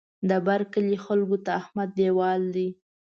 د بر کلي خلکو ته احمد دېوال دی.